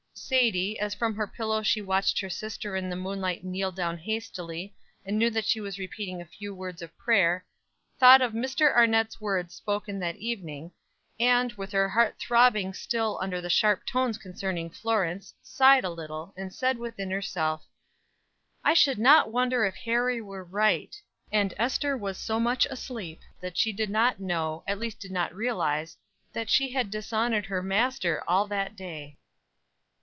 Sadie, as from her pillow she watched her sister in the moonlight kneel down hastily, and knew that she was repeating a few words of prayer, thought of Mr. Arnett's words spoken that evening, and, with her heart throbbing still under the sharp tones concerning Florence, sighed a little, and said within herself: "I should not wonder if Harry were right." And Ester was so much asleep, that she did not know, at least did not realize, that she had dishonored her Master all that day.